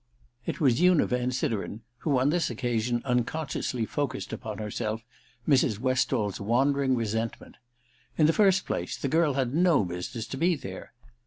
It was Una Van Sideren who, on this occa sion, unconsciously focussed upon herself Mrs. Westall's wandering resentment. In the first place, the girl had no business to be there.